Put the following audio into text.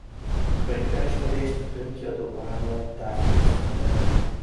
A könyvkereskedést könyvkiadó vállalattá fejlesztette.